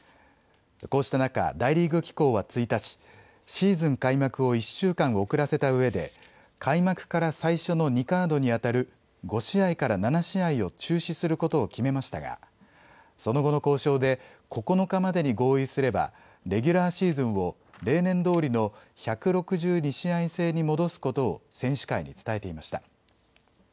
こうした中、大リーグ機構は１日、シーズン開幕を１週間遅らせたうえで開幕から最初の２カードにあたる５試合から７試合を中止することを決めましたがその後の交渉で９日までに合意すればレギュラーシーズンを例年どおりの１６２試合制に戻すことを選手会に伝えていました。